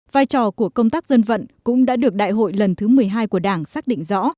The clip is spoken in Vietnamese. vai trò của công tác dân vận cũng đã được đại hội lần thứ một mươi hai của đảng xác định rõ